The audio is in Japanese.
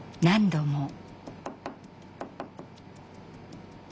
何度も。